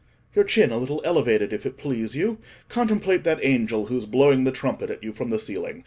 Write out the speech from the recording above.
(Your chin a little elevated, if it please you: contemplate that angel who is blowing the trumpet at you from the ceiling.